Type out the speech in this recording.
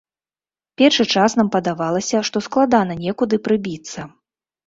Першы час нам падавалася, што складана некуды прыбіцца.